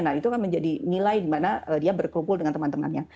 nah itu kan menjadi nilai dimana dia berkumpul dengan teman temannya